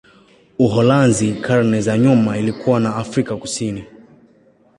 Uholanzi karne za nyuma ilikuwa na Afrika Kusini.